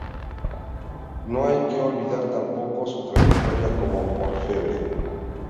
No hay que olvidar tampoco su trayectoria como orfebre.